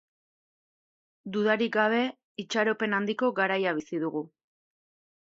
Dudarik gabe, itxaropen handiko garaia bizi dugu.